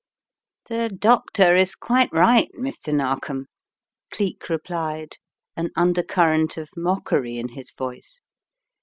"The doctor is quite right, Mr. Narkom," Cleek replied, an undercurrent of mockery in his voice.